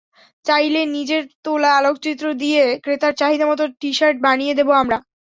চাইলে নিজের তোলা আলোকচিত্র দিয়ে ক্রেতার চাহিদামতো টি-শার্ট বানিয়ে দেব আমরা।